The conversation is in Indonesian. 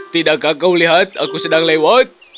tidakkah kau lihat aku sedang lewat